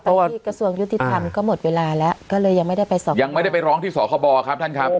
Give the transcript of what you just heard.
เพราะว่าที่กระทรวงยุติธรรมก็หมดเวลาแล้วก็เลยยังไม่ได้ไปสอบยังไม่ได้ไปร้องที่สคบครับท่านครับ